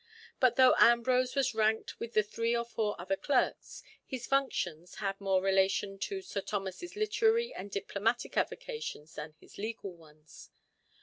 But though Ambrose was ranked with the three or four other clerks, his functions had more relation to Sir Thomas's literary and diplomatic avocations than his legal ones.